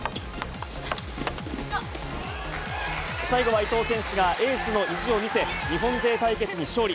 最後は伊藤選手がエースの意地を見せ、日本勢対決に勝利。